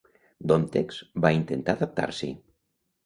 Domtex va intentar adaptar-s'hi.